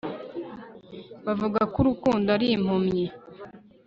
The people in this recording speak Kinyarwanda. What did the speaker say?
bavuga ko urukundo ari impumyi